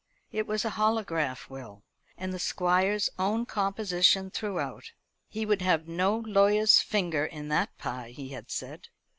It was a holograph will, and the Squire's own composition throughout. "He would have no lawyer's finger in that pie," he had said.